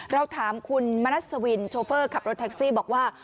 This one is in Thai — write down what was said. เราถามคุณมณัสวินโชเฟอร์ขับรถแท็กซี่บอกว่า